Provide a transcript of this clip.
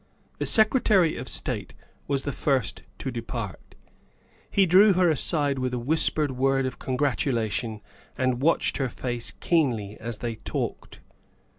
The Secretary of State was the first to depart. He drew her aside with a whispered word of congratulation and watched her face keenly as they talked.